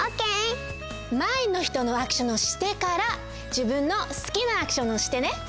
まえの人のアクションをしてからじぶんのすきなアクションをしてね。